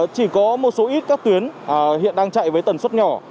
chỉ có một số ít các tuyến hiện đang chạy với tần suất nhỏ